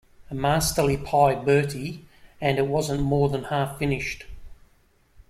A masterly pie, Bertie, and it wasn't more than half finished.